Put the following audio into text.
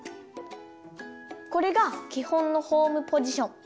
これがきほんのホームポジション。